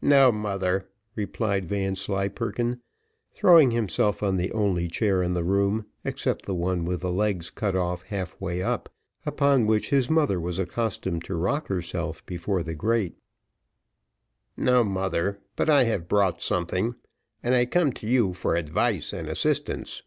"No, mother," replied Vanslyperken, throwing himself on the only chair in the room, except the one with the legs cut off half way up, upon which his mother was accustomed to rock herself before the grate. "No, mother; but I have brought something and I come to you for advice and assistance."